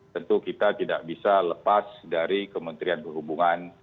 tentu kita tidak bisa lepas dari kementerian perhubungan